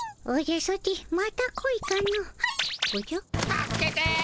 助けて！